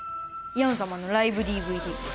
ヤン様のライブＤＶＤ。